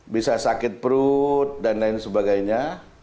bisa sakit perut dan lain sebagainya